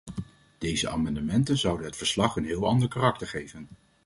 Deze amendementen zouden het verslag een heel ander karakter geven.